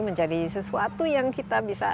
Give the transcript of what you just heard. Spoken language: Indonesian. menjadi sesuatu yang kita bisa